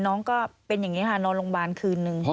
น้องก็เป็นอย่างนี้ค่ะนอนโรงพยาบาลคืนนึง